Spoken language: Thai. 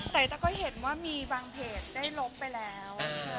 แต่ตาก็เห็นว่ามีบางเพจได้ลบไปแล้ว